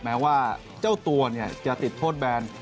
แม้ว่าเจ้าตัวจะติดโทษแบน